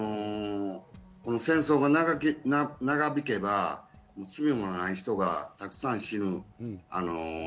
この戦争が長引けば、罪もない人がたくさん死ぬ。